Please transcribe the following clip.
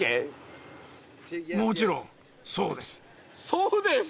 「そうです」？